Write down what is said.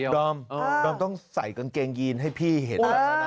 ดอมดอมต้องใส่กางเกงยีนให้พี่เห็น